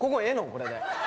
これで。